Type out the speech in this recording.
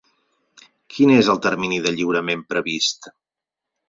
Quin és el termini de lliurament previst?